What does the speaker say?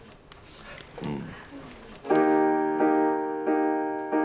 うん。